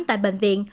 tại bệnh viện